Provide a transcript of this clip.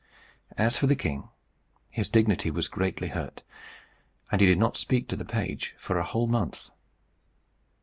As for the king, his dignity was greatly hurt, and he did not speak to the page for a whole month.